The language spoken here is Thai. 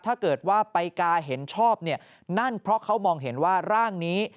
ถ้าเกิดว่าไปกาเห็นชอบเนี่ยนั่นเพราะเขามองเห็นว่าร่างนี้